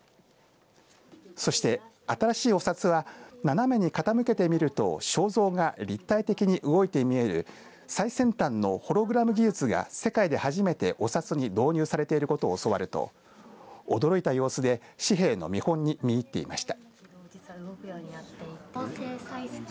そして新しいお札は斜めに傾けて見ると肖像が立体的に動いて見える最先端のホログラム技術が世界で初めてお札に導入されていることを教わると驚いた様子で紙幣の見本に見入っていました。